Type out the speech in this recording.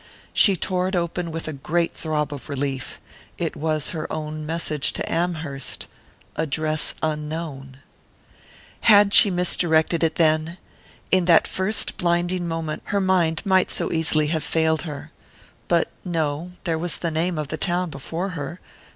She tore it open with a great throb of relief. It was her own message to Amherst address unknown.... Had she misdirected it, then? In that first blinding moment her mind might so easily have failed her. But no there was the name of the town before her...